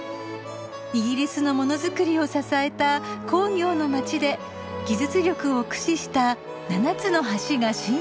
イギリスのものづくりを支えた工業の街で技術力を駆使した７つの橋がシンボル。